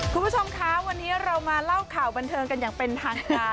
คุณผู้ชมคะวันนี้เรามาเล่าข่าวบันเทิงกันอย่างเป็นทางการ